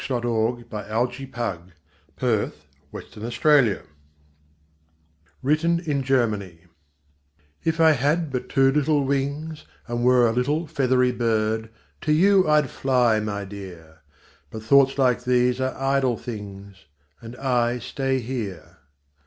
SOMETHING CHILDISH, BUT VERY NATURAL[313:1] WRITTEN IN GERMANY If I had but two little wings And were a little feathery bird, To you I'd fly, my dear! But thoughts like these are idle things, And I stay here.